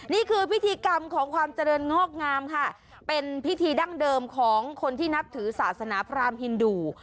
นี่คือพิธีกรรมของความเจริญงอกงามค่ะเป็นพิธีดั้งเดิมของคนที่นับถือศาสนาพรามฮินดู